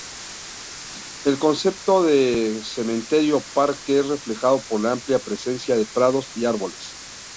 El concepto de cementerio-parque es reflejado por la amplia presencia de prados y árboles.